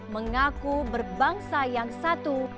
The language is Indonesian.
mengaku berbangsa yang satu